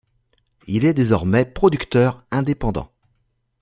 Il est désormais producteur indépendant.